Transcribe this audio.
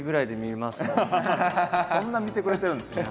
そんな見てくれてるんですね